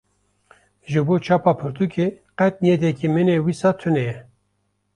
Ji bo çapa pirtûkê, qet niyetekî min ê wisa tuneye